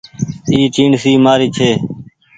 اي ٽيڻسي مآري ڇي۔